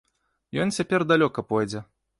Ён цяпер далёка пойдзе.